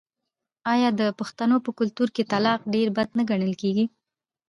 آیا د پښتنو په کلتور کې طلاق ډیر بد نه ګڼل کیږي؟